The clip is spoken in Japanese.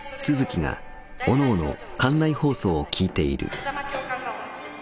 風間教官がお待ちです。